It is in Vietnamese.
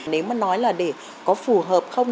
nếu mà nói là để có phù hợp không